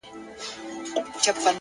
صبر د اوږدو لارو تر ټولو ښه ملګری دی.!